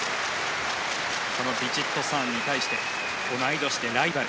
このヴィチットサーンに対して同い年でライバル。